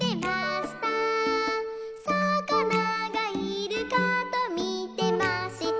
「さかながいるかとみてました」